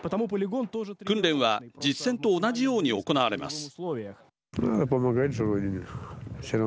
訓練は実戦と同じように行われます。